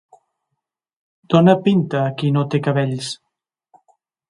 Donar pinta a qui no té cabells.